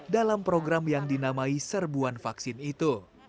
dalam program yang dinamai serbuan vaksin itu